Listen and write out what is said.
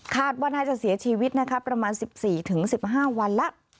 ว่าน่าจะเสียชีวิตนะคะประมาณ๑๔๑๕วันแล้ว